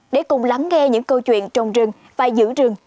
để cùng lắng nghe những câu chuyện trồng rừng và giữ rừng